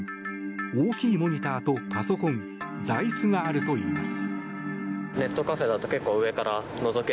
大きいモニターとパソコン、座椅子があるといいます。